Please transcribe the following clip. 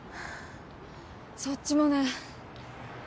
そっちもね。